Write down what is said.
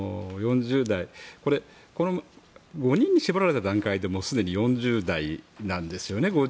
これ、５人に絞られた段階ですでに４０代なんですよね。